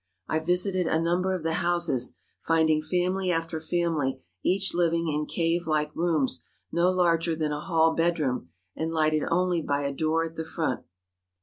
I visited a number of the houses, finding family after family each living in cave like rooms no larger than a hall bedroom and lighted only by a door at the front.